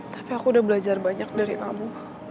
tapi aku udah belajar banyak dari tamu